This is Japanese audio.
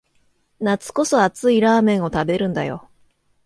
夏こそ熱いラーメンを食べるんだよ